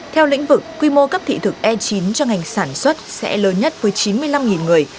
theo lĩnh vực quy mô cấp thị thực e chín cho ngành sản xuất sẽ lớn nhất với chín mươi năm người